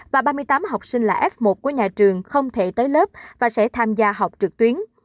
và ba mươi tám học sinh là f một của nhà trường không thể tới lớp và sẽ tham gia học trực tuyến